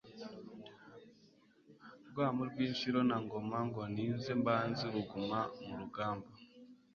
Rwamu rw' Inshiro na Ngoma Ngo ninze mbanze uruguma mu rugamba